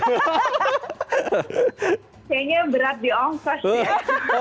kayaknya berat dionggol